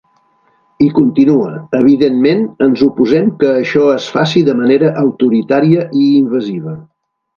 I continua: Evidentment ens oposem que això es faci de manera autoritària i invasiva.